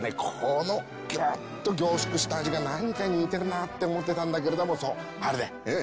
このギュッと凝縮した味が何かに似てるなって思ってたんだけれどもそうあれだよ。